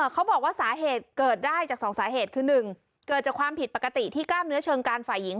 เขาบอกว่าสาเหตุเกิดได้จาก๒สาเหตุคือ๑เกิดจากความผิดปกติที่กล้ามเนื้อเชิงการฝ่ายหญิง